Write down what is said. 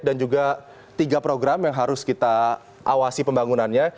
dan juga tiga program yang harus kita awasi pembangunannya